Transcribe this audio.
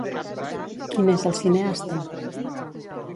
Qui n'és el cineasta?